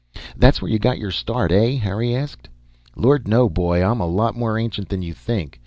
"That's where you got your start, eh?" Harry asked. "Lord, no, boy! I'm a lot more ancient than you think.